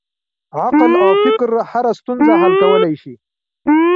عقل او فکر هره ستونزه حل کولی شي.